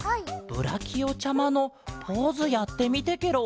ブラキオちゃまのポーズやってみてケロ！